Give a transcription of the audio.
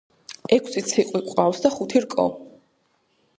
ექვსი ციყვი გვაქვს და ხუთი რკო.